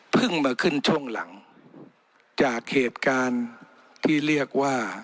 มาขึ้นช่วงหลังจากเหตุการณ์ที่เรียกว่า